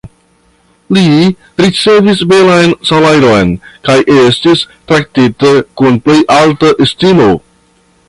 Li ricevis belan salajron, kaj estis traktita kun plej alta estimo.